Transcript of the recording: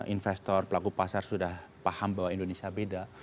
investor pelaku pasar sudah paham bahwa indonesia beda